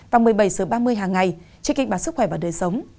và một mươi bảy h ba mươi hàng ngày trên kênh bản sức khỏe và đời sống